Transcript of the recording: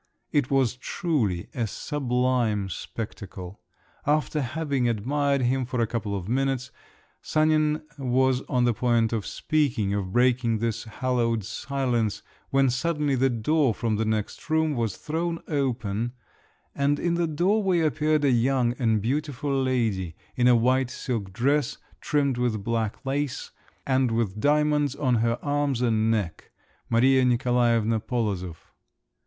It was truly a sublime spectacle! After having admired him for a couple of minutes, Sanin was on the point of speaking, of breaking this hallowed silence, when suddenly the door from the next room was thrown open, and in the doorway appeared a young and beautiful lady in a white silk dress trimmed with black lace, and with diamonds on her arms and neck—Maria Nikolaevna Polozov.